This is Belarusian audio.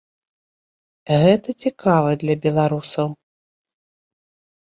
Гэта цікава для беларусаў.